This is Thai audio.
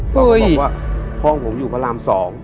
ก็บอกว่าห้องผมอยู่พระราม๒